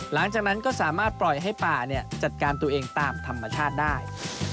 หลังจากนั้นก็สามารถปล่อยให้ป่าจัดการตัวเองตามธรรมชาติได้